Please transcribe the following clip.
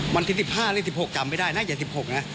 วันที่๑๕หรือ๑๖จำไม่ได้นะอย่า๑๖นะ